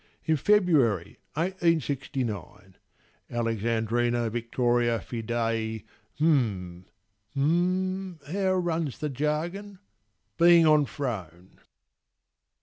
In February, eighteen sixty nine, Alexandrina Victoria, Fidei Hm—hm—how runs the jargon? being on throne.